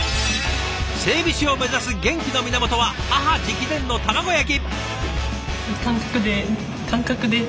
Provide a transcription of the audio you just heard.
整備士を目指す元気の源は母直伝の卵焼き！